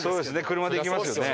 車で行きますよね。